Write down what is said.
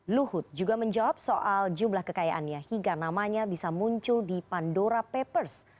luhut juga menjawab soal jumlah kekayaannya hingga namanya bisa muncul di pandora papers